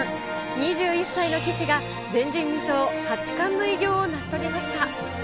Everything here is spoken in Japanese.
２１歳の棋士が前人未到、八冠の偉業を成し遂げました。